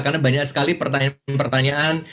karena banyak sekali pertanyaan pertanyaan